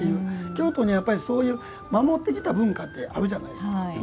京都にはそういう守ってきた文化ってあるじゃないですか。